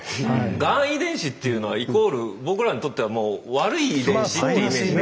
がん遺伝子っていうのはイコール僕らにとってはもう悪い遺伝子っていうイメージになっちゃうんで。